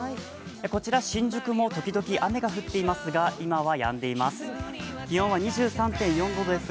こちら、新宿も時々雨が降っていますが、今はやんでいます。